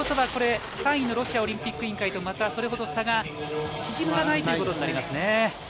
３位のロシアオリンピック委員会とまたそれほど差が縮まらないということになりますね。